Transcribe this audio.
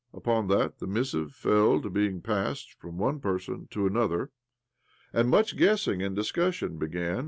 Upon that the missive fell to being passed from one person to another ; and much guessing and discussion began.